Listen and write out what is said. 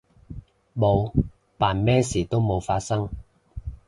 冇，扮咩事都冇發生